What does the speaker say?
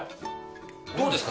どうですか？